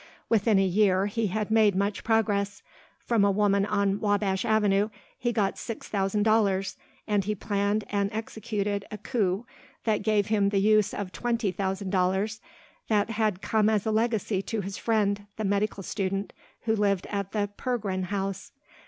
Within a year he had made much progress. From a woman on Wabash Avenue he got six thousand dollars, and he planned and executed a coup that gave him the use of twenty thousand dollars that had come as a legacy to his friend, the medical student, who lived at the Pergrin house.